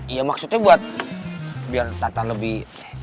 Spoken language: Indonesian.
iya maksudnya buat biar tata lebih